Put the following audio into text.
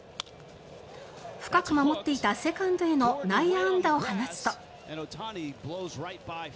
深く守っていたセカンドへの内野安打を放つと。